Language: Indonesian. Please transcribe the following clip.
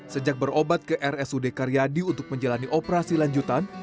sejak berobat ke rsud karyadi untuk menjalani operasi lanjutan